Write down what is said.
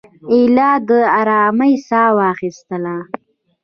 ایله د آرامۍ ساه وایستله.